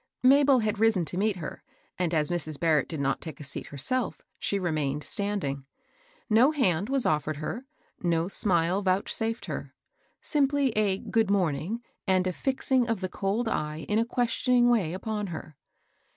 Mabel had risen to meet her, and as Mrs. Bar rett did not take a seat herself, she remained stand ing. No hand was offered her, no smile vouch safed her ; simply a " good morning," and a fixing of the cold eye in a questioning way upon her.